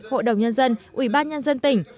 hội đồng nhân dân ủy ban nhân dân tỉnh